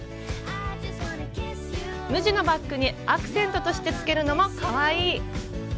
無地のバッグにアクセントとしてつけるのもかわいい！